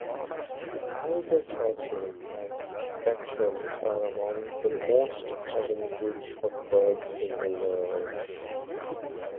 Albatrosses and petrels are among the most threatened groups of birds in the world.